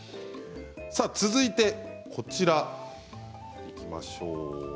続いてこちらにいきましょう。